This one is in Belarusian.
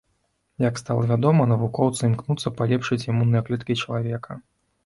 Як стала вядома, навукоўцы імкнуцца палепшыць імунныя клеткі чалавека.